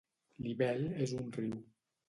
L'Ivel és un riu.